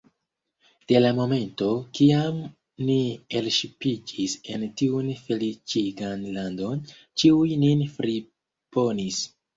De la momento, kiam ni elŝipiĝis en tiun feliĉigan landon, ĉiuj nin friponis.